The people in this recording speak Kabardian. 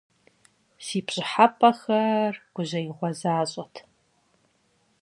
Си пщӀыхьэпӀэхэр гужьеигъуэ защӀэт.